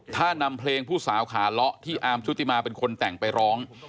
ถ้านำเพลงผู้สาวขาเลาะที่อาร์มชุติมาเป็นคนแต่งไปร้อง